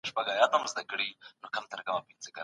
د عربي ژبې سیاست د ژوندانه له ټولو چارو سره اړیکې لري.